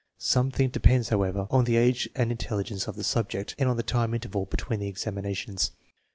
Something depends, however, on the age and intelligence of the sub ject and on the time interval between the examinations.